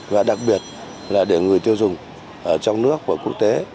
và đặc biệt là để người tiêu dùng ở trong nước và quốc tế